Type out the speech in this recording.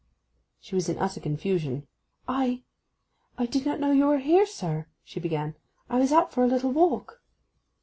She was in utter confusion. 'I—I—did not know you were here, sir!' she began. 'I was out for a little walk.